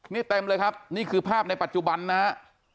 นี่เต็มเลยครับนี่คือภาพในปัจจุบันนะฮะ